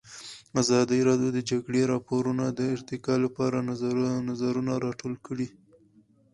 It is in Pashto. ازادي راډیو د د جګړې راپورونه د ارتقا لپاره نظرونه راټول کړي.